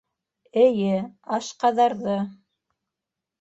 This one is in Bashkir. Эйе, «Аш- ҡаҙар»ҙы.